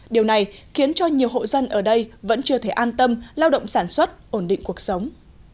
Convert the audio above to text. điều này khiến cho nhiều hộ dân ở đây vẫn chưa thể an tâm lao động sản xuất ổn định cuộc sống